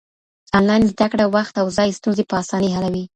انلاين زده کړه وخت او ځای ستونزې په آسانۍ حلوي.